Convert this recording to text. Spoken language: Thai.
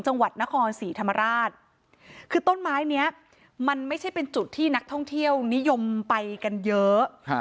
จังหวัดนครศรีธรรมราชคือต้นไม้เนี้ยมันไม่ใช่เป็นจุดที่นักท่องเที่ยวนิยมไปกันเยอะ